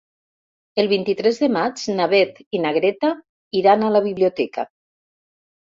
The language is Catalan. El vint-i-tres de maig na Beth i na Greta iran a la biblioteca.